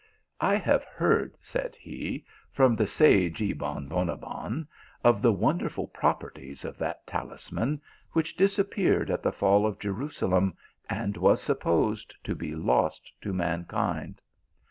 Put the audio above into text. " I have heard," said he, " from the sage Ebon Bonabbon, of the wonderful properties of that talisman, which disappeared at the fall of Jeru salem; and was supposed to be lost to mankind.